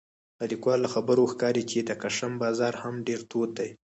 د لیکوال له خبرو ښکاري چې د کشم بازار هم ډېر تود دی